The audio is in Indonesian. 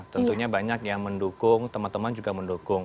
tentunya banyak yang mendukung teman teman juga mendukung